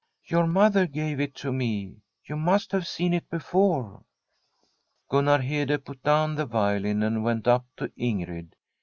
Your mother gave it to me. You must have seen it before.' Gunnar Hede put down the violin and went up to Ingrid.